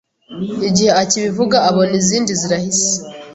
Igihe akibivuga abona izindi zirahise,